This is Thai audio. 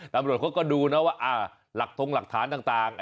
ตำรวจเขาก็ดูนะว่าหลักทงหลักฐานต่าง